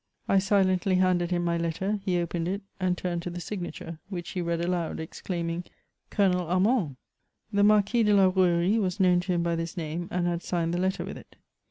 I silently handed him my letter ; he opened it, and turned to the cdgnature, which he read aloud, exclaiming, " Colonel Armand I" The Marquis de la RouSrie was known to him by this name, and had signed the letter with it.